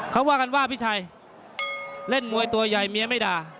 เขาว่ากันว่าพี่ชัยเล่นมวยตัวใหญ่เมียไม่ด่า